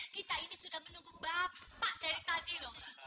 kita ini sudah menunggu bapak dari tadi loh